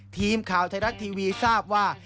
ทีมข่าวไทยรัฐทีวีทราบว่า